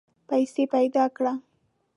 پیسې پیدا کړه.